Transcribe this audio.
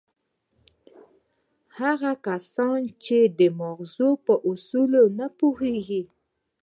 هغه کسان چې د ماغزو په اصولو نه پوهېږي.